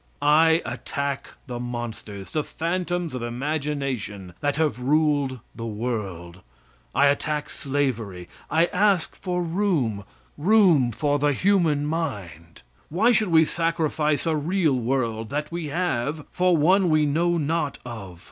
I attack the monsters, the phantoms of imagination that have ruled the world. I attack slavery. I ask for room room for the human mind. Why should we sacrifice a real world that we have for one we know not of?